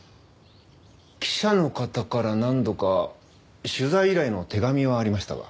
記者の方から何度か取材依頼の手紙はありましたが。